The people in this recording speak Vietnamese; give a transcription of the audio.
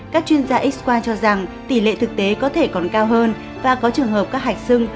các chuyên gia x qua cho rằng tỷ lệ thực tế có thể còn cao hơn và có trường hợp các hạch xưng